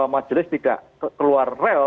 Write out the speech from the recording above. majelis tidak keluar rel